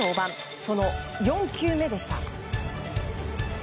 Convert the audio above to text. その４球目でした。